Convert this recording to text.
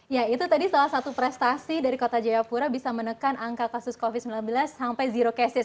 ya itu tadi salah satu prestasi dari kota jayapura bisa menekan angka kasus covid sembilan belas sampai zero cases